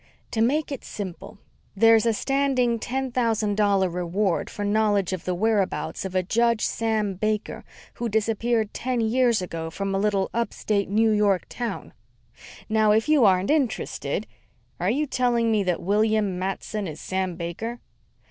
"To make it simple, there's a standing ten thousand dollar reward for knowledge of the whereabouts of a Judge Sam Baker who disappeared ten years ago from a little upstate New York town. Now, if you aren't interested " "Are you telling me that William Matson is Sam Baker?"